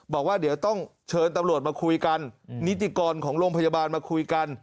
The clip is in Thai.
บอกว่าเดี๋ยวต้องเชิญตำรวจมาคุยกันนิติกรของโรงพยาบาลมาคุยกัน